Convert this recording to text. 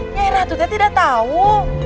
nyai ratu tidak tahu